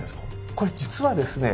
これ実はですね